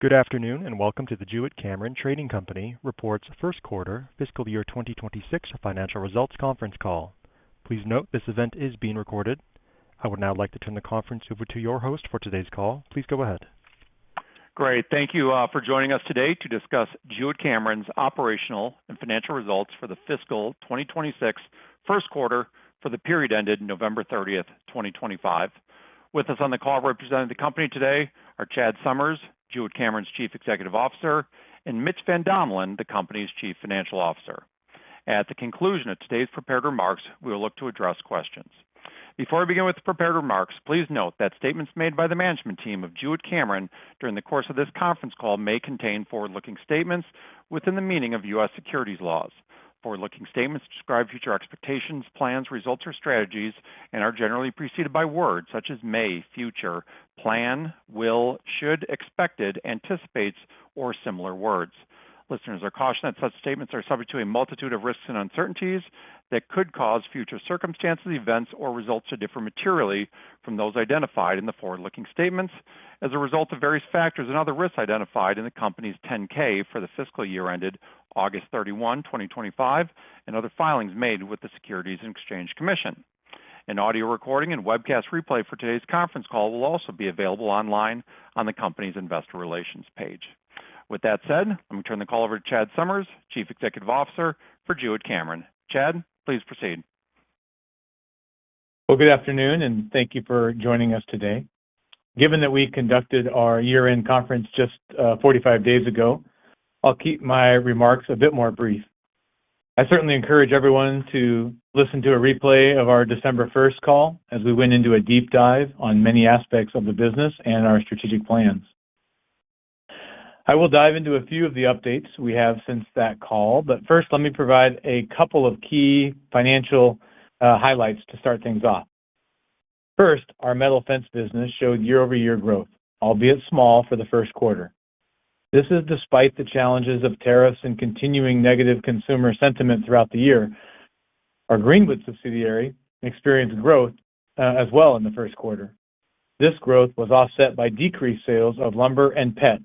Good afternoon and welcome to the Jewett-Cameron Trading Company's first quarter, fiscal year 2026 financial results conference call. Please note this event is being recorded. I would now like to turn the conference over to your host for today's call. Please go ahead. Great. Thank you for joining us today to discuss Jewett-Cameron's operational and financial results for the fiscal 2026 first quarter for the period ended November 30th, 2025. With us on the call representing the company today are Chad Summers, Jewett-Cameron's Chief Executive Officer, and Mitch Van Domelen, the company's Chief Financial Officer. At the conclusion of today's prepared remarks, we will look to address questions. Before I begin with the prepared remarks, please note that statements made by the management team of Jewett-Cameron during the course of this conference call may contain forward-looking statements within the meaning of U.S. securities laws. Forward-looking statements describe future expectations, plans, results, or strategies, and are generally preceded by words such as may, future, plan, will, should, expected, anticipates, or similar words. Listeners are cautioned that such statements are subject to a multitude of risks and uncertainties that could cause future circumstances, events, or results to differ materially from those identified in the forward-looking statements as a result of various factors and other risks identified in the company's 10-K for the fiscal year ended August 31, 2025, and other filings made with the Securities and Exchange Commission. An audio recording and webcast replay for today's conference call will also be available online on the company's investor relations page. With that said, let me turn the call over to Chad Summers, Chief Executive Officer for Jewett-Cameron. Chad, please proceed. Good afternoon, and thank you for joining us today. Given that we conducted our year-end conference just 45 days ago, I'll keep my remarks a bit more brief. I certainly encourage everyone to listen to a replay of our December 1st call as we went into a deep dive on many aspects of the business and our strategic plans. I will dive into a few of the updates we have since that call, but first, let me provide a couple of key financial highlights to start things off. First, our metal fence business showed year-over-year growth, albeit small, for the first quarter. This is despite the challenges of tariffs and continuing negative consumer sentiment throughout the year. Our Greenwood subsidiary experienced growth as well in the first quarter. This growth was offset by decreased sales of lumber and Pet,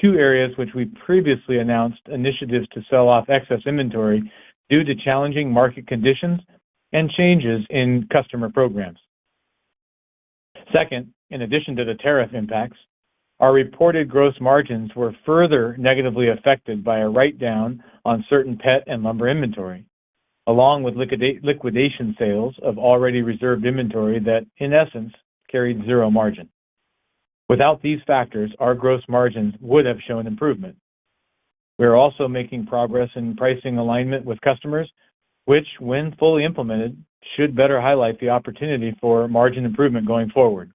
two areas which we previously announced initiatives to sell off excess inventory due to challenging market conditions and changes in customer programs. Second, in addition to the tariff impacts, our reported gross margins were further negatively affected by a write-down on certain Pet and lumber inventory, along with liquidation sales of already reserved inventory that, in essence, carried zero margin. Without these factors, our gross margins would have shown improvement. We are also making progress in pricing alignment with customers, which, when fully implemented, should better highlight the opportunity for margin improvement going forward.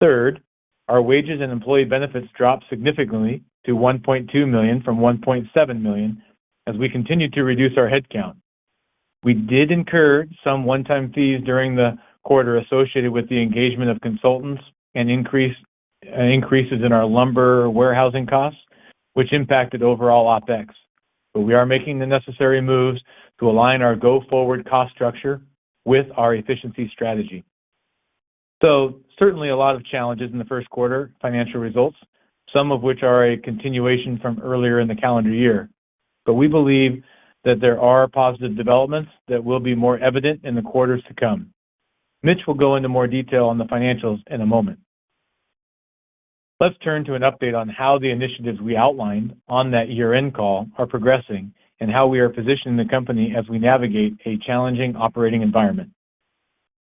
Third, our wages and employee benefits dropped significantly to $1.2 million from $1.7 million as we continue to reduce our headcount. We did incur some one-time fees during the quarter associated with the engagement of consultants and increases in our lumber warehousing costs, which impacted overall OPEX. But we are making the necessary moves to align our go-forward cost structure with our efficiency strategy. So, certainly, a lot of challenges in the first quarter financial results, some of which are a continuation from earlier in the calendar year. But we believe that there are positive developments that will be more evident in the quarters to come. Mitch will go into more detail on the financials in a moment. Let's turn to an update on how the initiatives we outlined on that year-end call are progressing and how we are positioning the company as we navigate a challenging operating environment.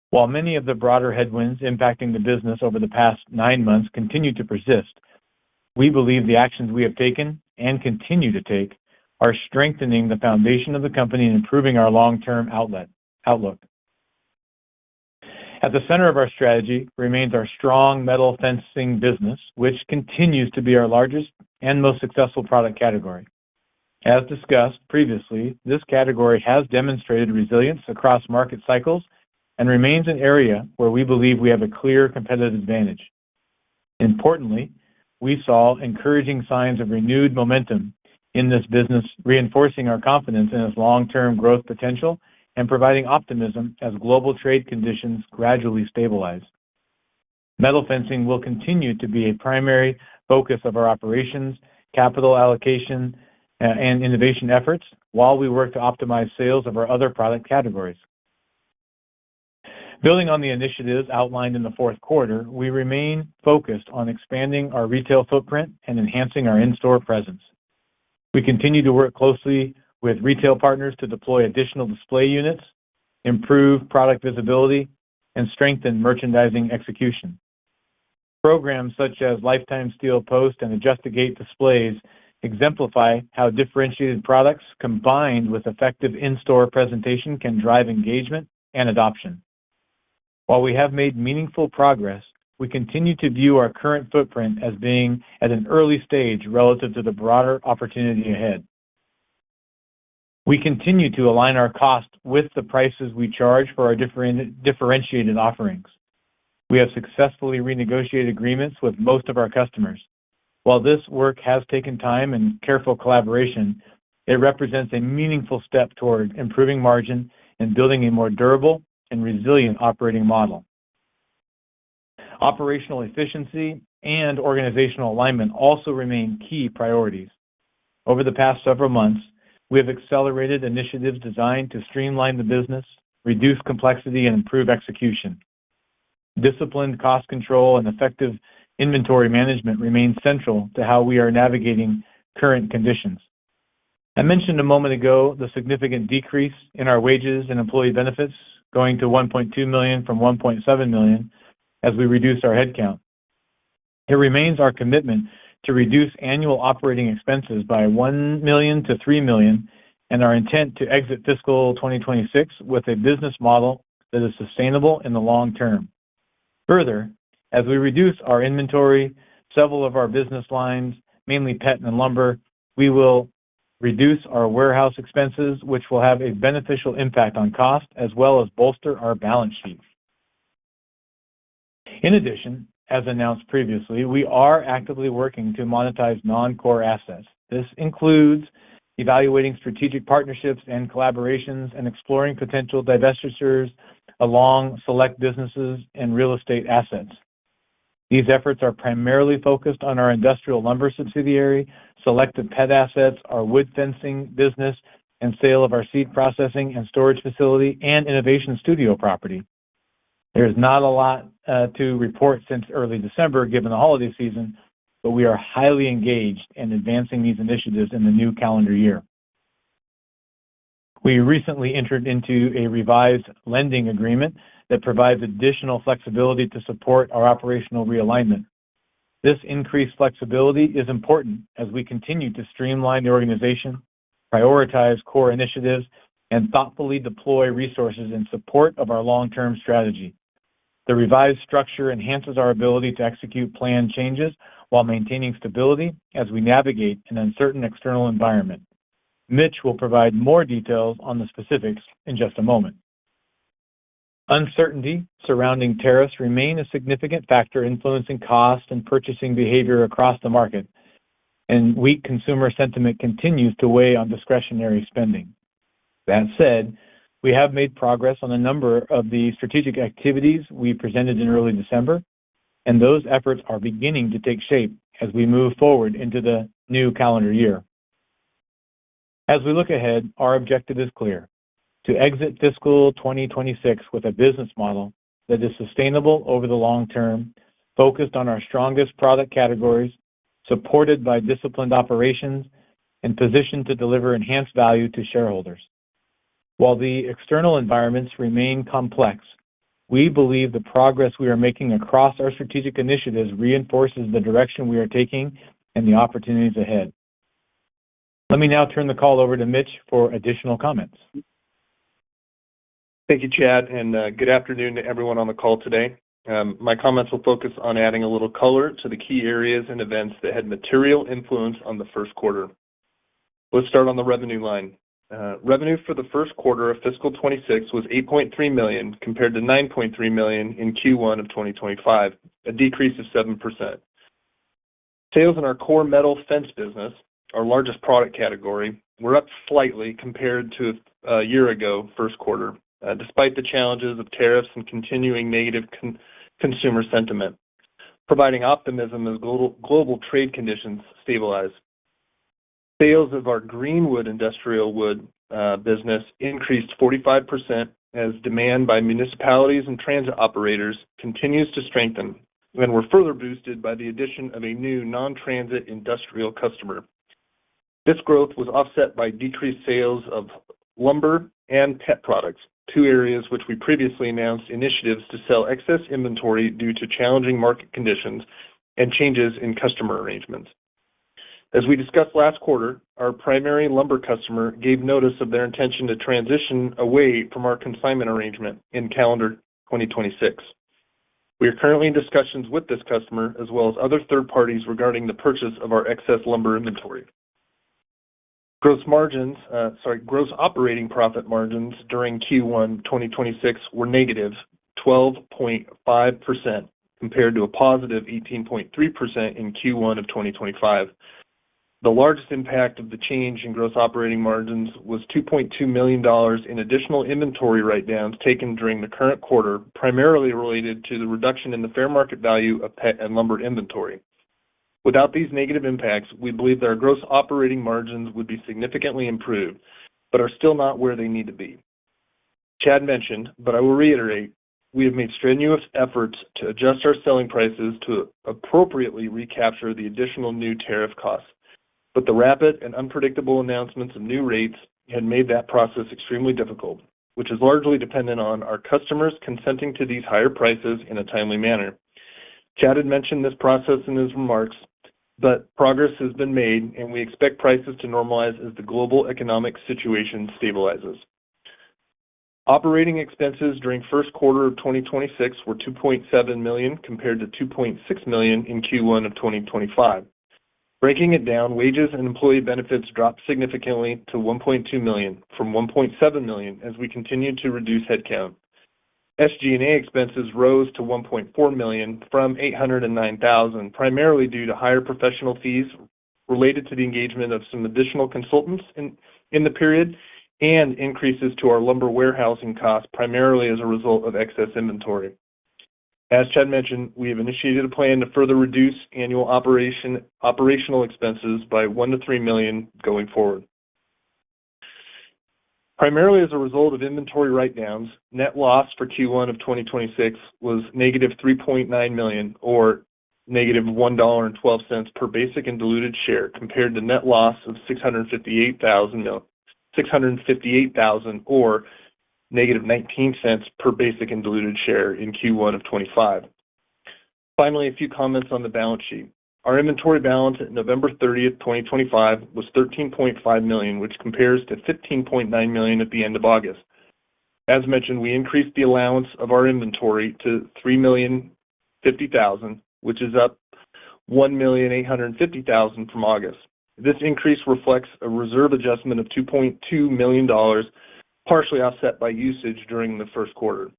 While many of the broader headwinds impacting the business over the past nine months continue to persist, we believe the actions we have taken and continue to take are strengthening the foundation of the company and improving our long-term outlook. At the center of our strategy remains our strong metal fencing business, which continues to be our largest and most successful product category. As discussed previously, this category has demonstrated resilience across market cycles and remains an area where we believe we have a clear competitive advantage. Importantly, we saw encouraging signs of renewed momentum in this business, reinforcing our confidence in its long-term growth potential and providing optimism as global trade conditions gradually stabilize. Metal fencing will continue to be a primary focus of our operations, capital allocation, and innovation efforts while we work to optimize sales of our other product categories. Building on the initiatives outlined in the fourth quarter, we remain focused on expanding our retail footprint and enhancing our in-store presence. We continue to work closely with retail partners to deploy additional display units, improve product visibility, and strengthen merchandising execution. Programs such as Lifetime Steel Post and Adjust-A-Gate displays exemplify how differentiated products combined with effective in-store presentation can drive engagement and adoption. While we have made meaningful progress, we continue to view our current footprint as being at an early stage relative to the broader opportunity ahead. We continue to align our costs with the prices we charge for our differentiated offerings. We have successfully renegotiated agreements with most of our customers. While this work has taken time and careful collaboration, it represents a meaningful step toward improving margin and building a more durable and resilient operating model. Operational efficiency and organizational alignment also remain key priorities. Over the past several months, we have accelerated initiatives designed to streamline the business, reduce complexity, and improve execution. Disciplined cost control and effective inventory management remain central to how we are navigating current conditions. I mentioned a moment ago the significant decrease in our wages and employee benefits going to $1.2 million from $1.7 million as we reduce our headcount. It remains our commitment to reduce annual operating expenses by $1 million-$3 million and our intent to exit fiscal 2026 with a business model that is sustainable in the long term. Further, as we reduce our inventory, several of our business lines, mainly Pet and lumber, we will reduce our warehouse expenses, which will have a beneficial impact on cost as well as bolster our balance sheet. In addition, as announced previously, we are actively working to monetize non-core assets. This includes evaluating strategic partnerships and collaborations and exploring potential divestitures along select businesses and real estate assets. These efforts are primarily focused on our industrial lumber subsidiary, selected Pet assets, our wood fencing business, and sale of our seed processing and storage facility and innovation studio property. There is not a lot to report since early December, given the holiday season, but we are highly engaged in advancing these initiatives in the new calendar year. We recently entered into a revised lending agreement that provides additional flexibility to support our operational realignment. This increased flexibility is important as we continue to streamline the organization, prioritize core initiatives, and thoughtfully deploy resources in support of our long-term strategy. The revised structure enhances our ability to execute planned changes while maintaining stability as we navigate an uncertain external environment. Mitch will provide more details on the specifics in just a moment. Uncertainty surrounding tariffs remains a significant factor influencing cost and purchasing behavior across the market, and weak consumer sentiment continues to weigh on discretionary spending. That said, we have made progress on a number of the strategic activities we presented in early December, and those efforts are beginning to take shape as we move forward into the new calendar year. As we look ahead, our objective is clear: to exit fiscal 2026 with a business model that is sustainable over the long term, focused on our strongest product categories, supported by disciplined operations, and positioned to deliver enhanced value to shareholders. While the external environments remain complex, we believe the progress we are making across our strategic initiatives reinforces the direction we are taking and the opportunities ahead. Let me now turn the call over to Mitch for additional comments. Thank you, Chad, and good afternoon to everyone on the call today. My comments will focus on adding a little color to the key areas and events that had material influence on the first quarter. Let's start on the revenue line. Revenue for the first quarter of fiscal 26 was $8.3 million compared to $9.3 million in Q1 of 2025, a decrease of 7%. Sales in our core metal fence business, our largest product category, were up slightly compared to a year ago first quarter, despite the challenges of tariffs and continuing negative consumer sentiment, providing optimism as global trade conditions stabilize. Sales of our Greenwood industrial wood business increased 45% as demand by municipalities and transit operators continues to strengthen and were further boosted by the addition of a new non-transit industrial customer. This growth was offset by decreased sales of lumber and Pet products, two areas which we previously announced initiatives to sell excess inventory due to challenging market conditions and changes in customer arrangements. As we discussed last quarter, our primary lumber customer gave notice of their intention to transition away from our consignment arrangement in calendar 2026. We are currently in discussions with this customer as well as other third parties regarding the purchase of our excess lumber inventory. Gross operating profit margins during Q1 2026 were negative 12.5% compared to a positive 18.3% in Q1 of 2025. The largest impact of the change in gross operating margins was $2.2 million in additional inventory write-downs taken during the current quarter, primarily related to the reduction in the fair market value of Pet and lumber inventory. Without these negative impacts, we believe that our gross operating margins would be significantly improved but are still not where they need to be. Chad mentioned, but I will reiterate, we have made strenuous efforts to adjust our selling prices to appropriately recapture the additional new tariff costs, but the rapid and unpredictable announcements of new rates had made that process extremely difficult, which is largely dependent on our customers consenting to these higher prices in a timely manner. Chad had mentioned this process in his remarks, but progress has been made, and we expect prices to normalize as the global economic situation stabilizes. Operating expenses during first quarter of 2026 were $2.7 million compared to $2.6 million in Q1 of 2025. Breaking it down, wages and employee benefits dropped significantly to $1.2 million from $1.7 million as we continued to reduce headcount. SG&A expenses rose to $1.4 million from $809,000, primarily due to higher professional fees related to the engagement of some additional consultants in the period and increases to our lumber warehousing costs, primarily as a result of excess inventory. As Chad mentioned, we have initiated a plan to further reduce annual operational expenses by $1 million-$3 million going forward. Primarily as a result of inventory write-downs, net loss for Q1 of 2026 was negative $3.9 million or negative $1.12 per basic and diluted share compared to net loss of $658,000 or negative $0.19 per basic and diluted share in Q1 of 2025. Finally, a few comments on the balance sheet. Our inventory balance at November 30th, 2025, was $13.5 million, which compares to $15.9 million at the end of August. As mentioned, we increased the allowance of our inventory to $3,050,000, which is up $1,850,000 from August. This increase reflects a reserve adjustment of $2.2 million, partially offset by usage during the first quarter.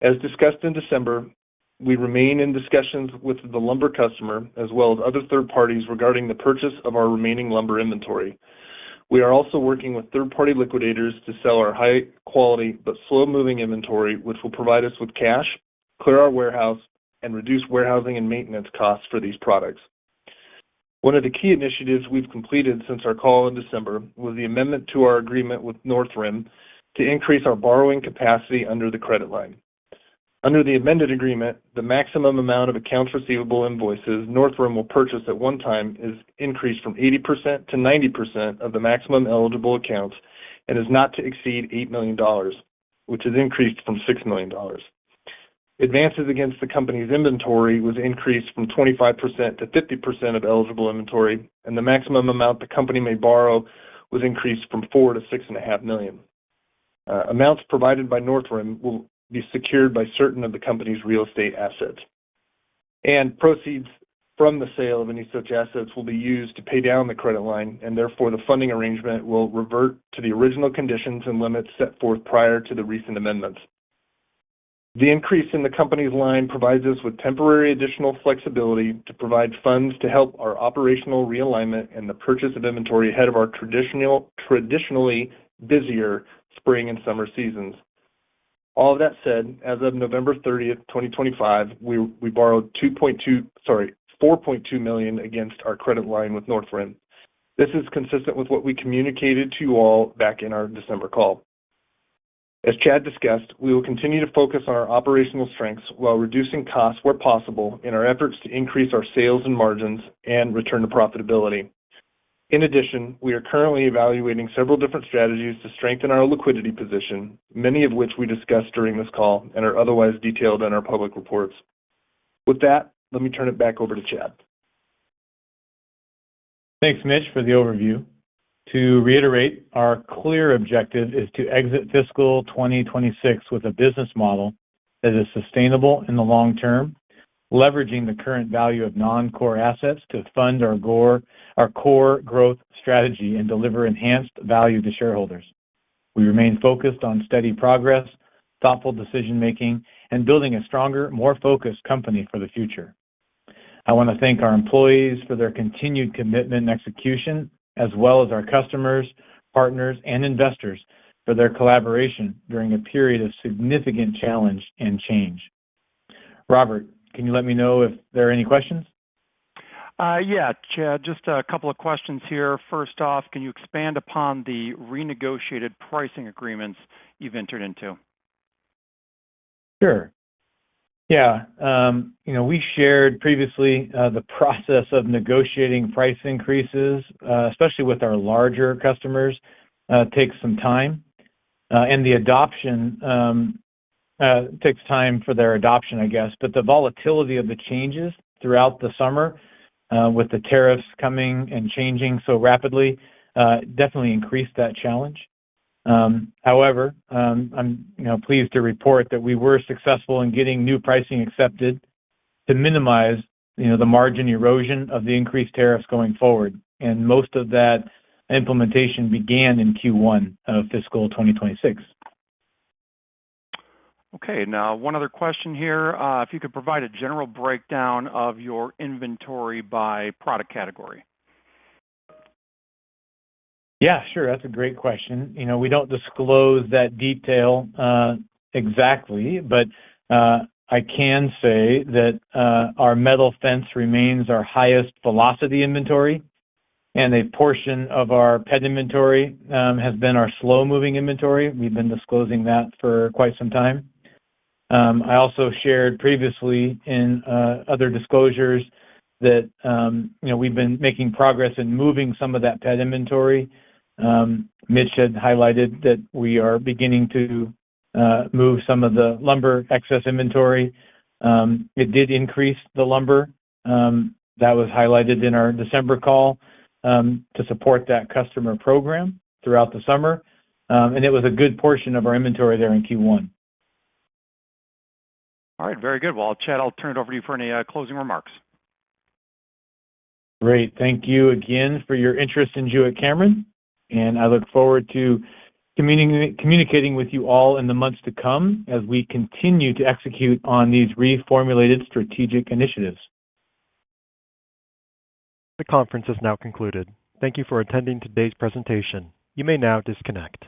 As discussed in December, we remain in discussions with the lumber customer as well as other third parties regarding the purchase of our remaining lumber inventory. We are also working with third-party liquidators to sell our high-quality but slow-moving inventory, which will provide us with cash, clear our warehouse, and reduce warehousing and maintenance costs for these products. One of the key initiatives we've completed since our call in December was the amendment to our agreement with Northrim to increase our borrowing capacity under the credit line. Under the amended agreement, the maximum amount of accounts receivable invoices Northrim will purchase at one time is increased from 80%-90% of the maximum eligible accounts and is not to exceed $8 million, which is increased from $6 million. Advances against the company's inventory was increased from 25%-50% of eligible inventory, and the maximum amount the company may borrow was increased from $4 million-$6.5 million. Amounts provided by Northrim will be secured by certain of the company's real estate assets, and proceeds from the sale of any such assets will be used to pay down the credit line, and therefore the funding arrangement will revert to the original conditions and limits set forth prior to the recent amendments. The increase in the company's line provides us with temporary additional flexibility to provide funds to help our operational realignment and the purchase of inventory ahead of our traditionally busier spring and summer seasons. All of that said, as of November 30th, 2025, we borrowed $4.2 million against our credit line with Northrim. This is consistent with what we communicated to you all back in our December call. As Chad discussed, we will continue to focus on our operational strengths while reducing costs where possible in our efforts to increase our sales and margins and return to profitability. In addition, we are currently evaluating several different strategies to strengthen our liquidity position, many of which we discussed during this call and are otherwise detailed in our public reports. With that, let me turn it back over to Chad. Thanks, Mitch, for the overview. To reiterate, our clear objective is to exit fiscal 2026 with a business model that is sustainable in the long term, leveraging the current value of non-core assets to fund our core growth strategy and deliver enhanced value to shareholders. We remain focused on steady progress, thoughtful decision-making, and building a stronger, more focused company for the future. I want to thank our employees for their continued commitment and execution, as well as our customers, partners, and investors for their collaboration during a period of significant challenge and change. Robert, can you let me know if there are any questions? Yeah, Chad, just a couple of questions here. First off, can you expand upon the renegotiated pricing agreements you've entered into? Sure. Yeah. We shared previously the process of negotiating price increases, especially with our larger customers. It takes some time, and the adoption takes time for their adoption, I guess. But the volatility of the changes throughout the summer, with the tariffs coming and changing so rapidly, definitely increased that challenge. However, I'm pleased to report that we were successful in getting new pricing accepted to minimize the margin erosion of the increased tariffs going forward, and most of that implementation began in Q1 of fiscal 2026. Okay. Now, one other question here. If you could provide a general breakdown of your inventory by product category? Yeah, sure. That's a great question. We don't disclose that detail exactly, but I can say that our metal fence remains our highest velocity inventory, and a portion of our Pet inventory has been our slow-moving inventory. We've been disclosing that for quite some time. I also shared previously in other disclosures that we've been making progress in moving some of that Pet inventory. Mitch had highlighted that we are beginning to move some of the lumber excess inventory. It did increase the lumber. That was highlighted in our December call to support that customer program throughout the summer, and it was a good portion of our inventory there in Q1. All right. Very good. Well, Chad, I'll turn it over to you for any closing remarks. Great. Thank you again for your interest in Jewett-Cameron, and I look forward to communicating with you all in the months to come as we continue to execute on these reformulated strategic initiatives. The conference has now concluded. Thank you for attending today's presentation. You may now disconnect.